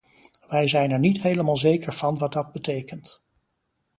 Wij zijn er niet helemaal zeker van wat dat betekent.